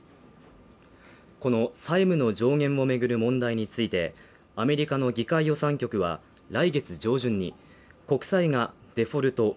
この債務の上限を巡る問題について、アメリカの議会予算局は、来月上旬に国債がデフォルト＝